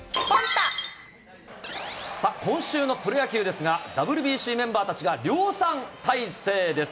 今週のプロ野球ですが、ＷＢＣメンバーたちが量産体制です。